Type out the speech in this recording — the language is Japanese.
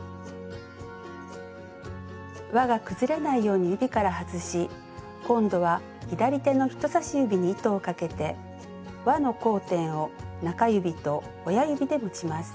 わが崩れないように指から外し今度は左手の人さし指に糸をかけてわの交点を中指と親指で持ちます。